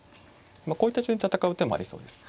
こういった順で戦う手もありそうです。